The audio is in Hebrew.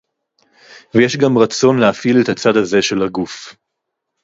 וְיֵש גַם רָצוֹן לְהַפְעִיל אֶת הַצַד הָזָה שֶל ‘הַגוּף’.